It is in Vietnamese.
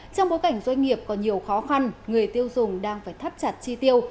trong bối cảnh doanh nghiệp có nhiều khó khăn người tiêu dùng đang phải thắt chặt chi tiêu